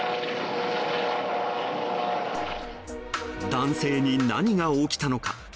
男性に何が起きたのか。